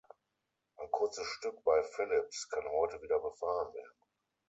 Ein kurzes Stück bei Phillips kann heute wieder befahren werden.